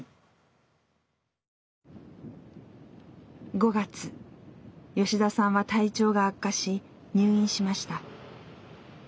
５月吉田さんは体調が悪化し入院しました。